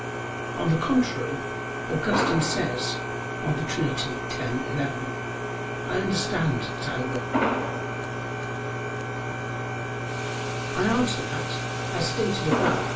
On the contrary, Augustine says (De Trin. x, 11), "I understand that I will." I answer that, As stated above (Q.